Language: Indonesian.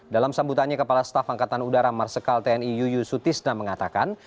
dalam sambutannya kepala staf angkatan udara marsikal tni yuyusutisna mengatakan